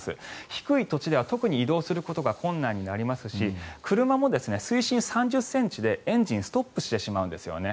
低い土地では特に移動することが困難になりますし車も水深３０ｃｍで、エンジンストップしてしまうんですよね。